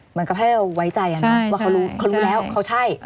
เหมือนกับให้เราไว้ใจว่าเขารู้แล้วเขาใช่